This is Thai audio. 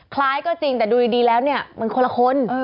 คล้ายก็จริงแต่ดูดีแล้วเนี่ยมันคนละคน